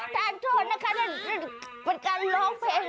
ถ้าอันโทษนะคะนี่ก็เป็นการร้องเพลง